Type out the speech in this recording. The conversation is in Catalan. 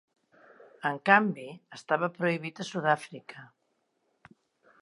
En canvi, estava prohibit a Sud-àfrica.